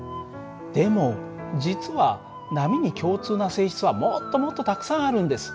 でも実は波に共通な性質はもっともっとたくさんあるんです。